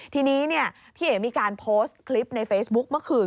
ทีนี้พี่เอ๋มีการโพสต์คลิปในเฟซบุ๊คเมื่อคืน